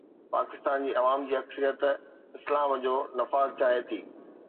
پاڪستان جي عوام جي اڪثريت اسلام جو نفاذ چاهي ٿي.